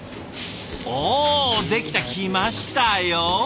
おできた！来ましたよ！